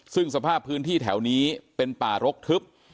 ซึ่งสภาพพื้นที่แถวนี้เป็นป่ารกทึบ